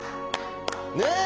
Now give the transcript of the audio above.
ねえ？